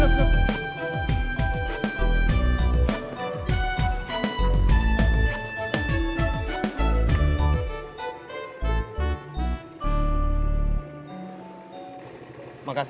abang kelihatan capek